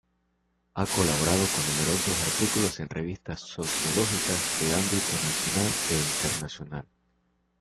Ha colaborado con numerosos artículos en revistas sociológicas de ámbito nacional e internacional.